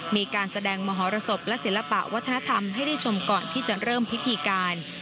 มีการแสดงมหรสบและศิลปะวัฒนธรรมให้ได้ชมก่อนที่จะเริ่มพิธีการ